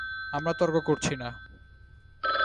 আমরা তর্ক করছি না?